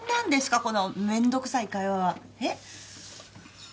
この面倒くさい会話はえ？